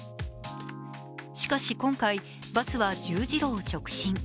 しかし今回バスは十字路を直進。